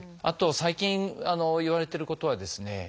あと最近いわれてることはですね